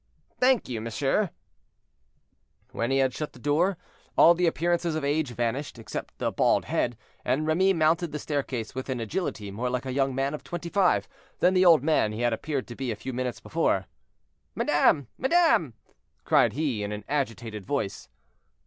"Thank you, monsieur." When he had shut the door, all the appearances of age vanished, except the bald head, and Remy mounted the staircase with an agility more like a young man of twenty five, than the old man he had appeared to be a few minutes before. "Madame! madame!" cried he, in an agitated voice.